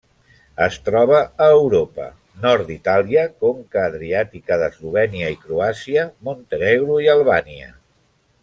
Es troba a Europa: nord d'Itàlia, conca adriàtica d'Eslovènia i Croàcia, Montenegro i Albània.